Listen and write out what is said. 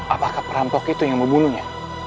apakah perampok itu yang membunuhnya